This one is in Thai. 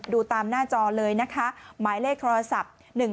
ดูตามหน้าจอเลยนะคะหมายเลขโทรศัพท์